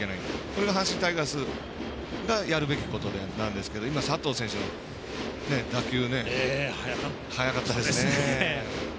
これが阪神タイガースがやるべきことなんですけど今、佐藤選手の打球速かったですね。